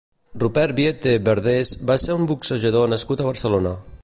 Rupert Biete Verdés va ser un boxejador nascut a Barcelona.